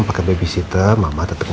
pakai babysitter mama tetep ke sana